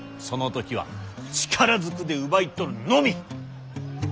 その時は力ずくで奪い取るのみ！